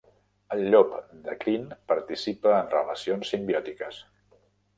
El llop de crin participa en relacions simbiòtiques.